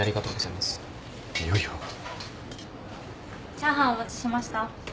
チャーハンお持ちしました。